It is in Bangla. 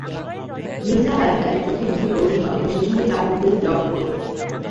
নিসার আলি তাদের চোখে মুখে কৌতূহল এবং সেইসঙ্গে চাপা উদ্বেগ লক্ষ্য করলেন।